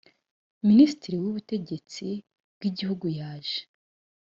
minisitiri w ubutegetsi bwigihugu yaje